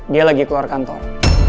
dia lagi keluar kantor